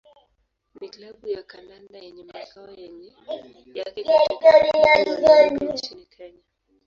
ni klabu ya kandanda yenye makao yake katika mji wa Nairobi nchini Kenya.